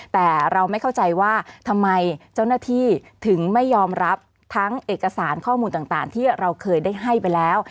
แต่เราไม่เข้าใจว่าทำไมเจ้าหน้าที่ถึงไม่ยอมรับทั้งเอกสารข้อมูลต่างที่เราเคยได้ให้ไปแล้ว